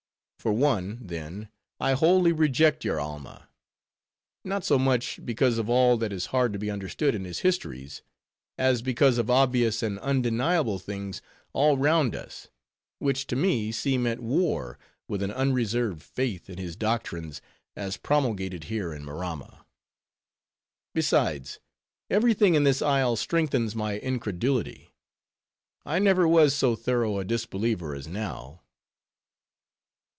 For one, then, I wholly reject your Alma; not so much, because of all that is hard to be understood in his histories; as because of obvious and undeniable things all round us; which, to me, seem at war with an unreserved faith in his doctrines as promulgated here in Maramma. Besides; every thing in this isle strengthens my incredulity; I never was so thorough a disbeliever as now."